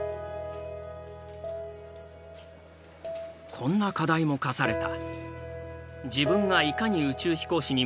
こんな課題も課された。